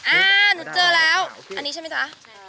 อ้าหนูเจอแล้วนี่ใช่มั้ยคะ